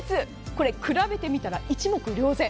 これ、比べてみたら一目瞭然。